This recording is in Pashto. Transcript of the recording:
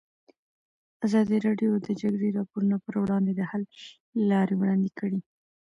ازادي راډیو د د جګړې راپورونه پر وړاندې د حل لارې وړاندې کړي.